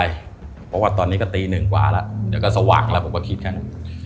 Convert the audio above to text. เพราะว่าตอนนี้ก็ตีหนึ่งกว่าแล้วเดี๋ยวก็สว่างแล้วผมก็คิดกัน